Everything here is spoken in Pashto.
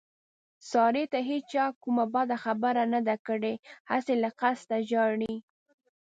سارې ته هېچا کومه بده خبره نه ده کړې، هسې له قسته ژاړي.